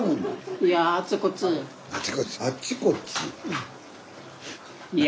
いやあちこち。